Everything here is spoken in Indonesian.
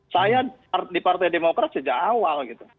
saya di partai demokrat sejak awal gitu